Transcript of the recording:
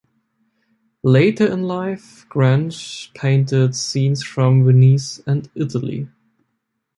Later in life, Cranch painted scenes from Venice and Italy.